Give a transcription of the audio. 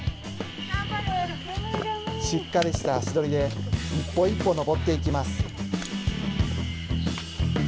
しっかりした足取りで一歩一歩、登っていきます。